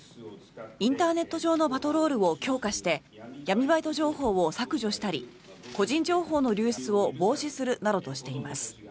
インターネット上のパトロールを強化して闇バイト情報を削除したり個人情報の流出を防止するなどとしています。